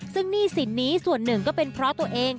ซึ่งหนี้สินนี้ส่วนหนึ่งก็เป็นเพราะตัวเอง